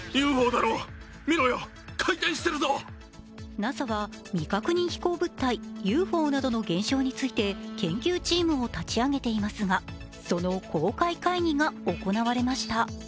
ＮＡＳＡは未確認飛行物体ＵＦＯなどの実態について研究チームを立ち上げていますがその公開会議が行われました。